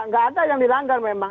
nggak ada yang dilanggar memang